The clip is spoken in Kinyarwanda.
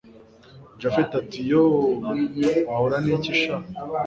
japhet ati yooooh, wahora niki sha